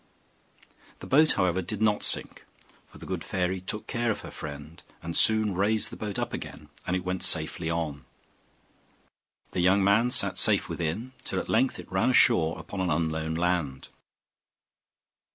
The boat, however, did not sink, for the good fairy took care of her friend, and soon raised the boat up again, and it went safely on. The young man sat safe within, till at length it ran ashore upon an unknown land.